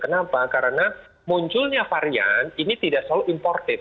kenapa karena munculnya varian ini tidak selalu imported